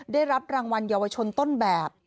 ได้รับรางวัลเยาวชนต้นแบบ